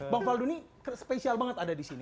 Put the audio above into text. bang faldo ini spesial banget ada di sini